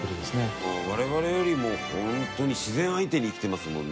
我々よりも本当に自然相手に生きてますもんね。